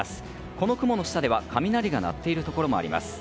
この雲の下では雷が鳴っているところもあります。